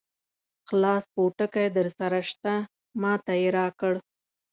خلاص پوټکی درسره شته؟ ما ته یې راکړ.